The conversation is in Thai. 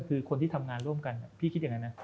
คือคนที่ทำงานร่วมกันพี่คิดอย่างนั้นนะ